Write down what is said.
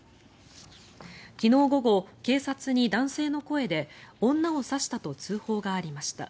昨日午後、警察に男性の声で女を刺したと通報がありました。